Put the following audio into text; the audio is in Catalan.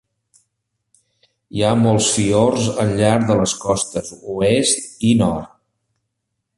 Hi ha molts fiords al llarg de les costes oest i nord.